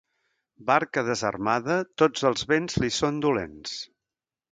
Barca desarmada, tots els vents li són dolents.